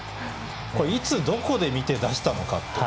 いつどこで見て出したのかと。